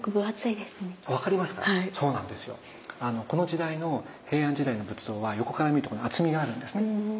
この時代の平安時代の仏像は横から見ると厚みがあるんですね。